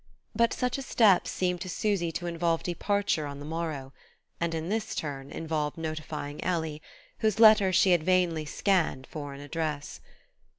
But such a step seemed to Susy to involve departure on the morrow, and this in turn involved notifying Ellie, whose letter she had vainly scanned for an address.